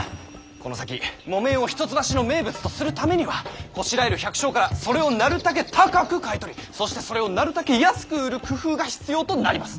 この先木綿を一橋の名物とするためにはこしらえる百姓からそれをなるたけ高く買い取りそしてそれをなるたけ安く売る工夫が必要となります。